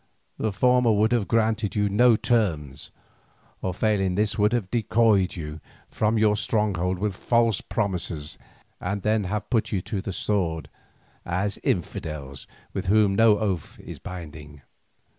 The former would have granted you no terms, or failing this would have decoyed you from your stronghold with false promises, and then have put you to the sword as infidels with whom no oath is binding.